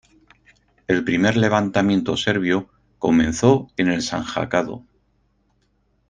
El Primer Levantamiento Serbio comenzó en el Sanjacado.